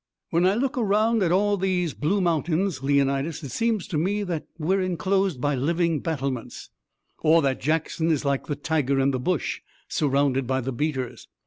When I look around at all these blue mountains, Leonidas, it seems to me that we're enclosed by living battlements." "Or that Jackson is like the tiger in the bush, surrounded by the beaters."